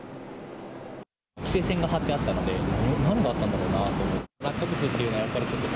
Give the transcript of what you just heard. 規制線が張ってあったので、何があったんだろうなと。